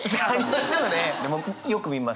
よく見ます。